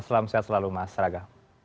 selamat siang selalu mas raga